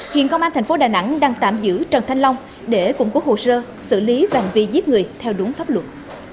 hiện công an thành phố đà nẵng đang tạm giữ trần thanh long để củng cố hồ sơ xử lý và hành vi giết người theo đúng pháp luật